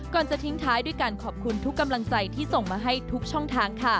จะทิ้งท้ายด้วยการขอบคุณทุกกำลังใจที่ส่งมาให้ทุกช่องทางค่ะ